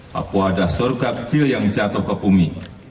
papua ada surga kecil yang jatuh ke bumi